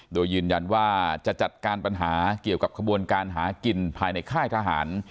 โดยยืนยันว่าจะจัดการปัญหาเกี่ยวกับขบวนการหากินภายในค่ายทหาร